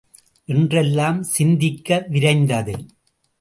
என்றெல்லாம் சிந்திக்க விரைந்தது.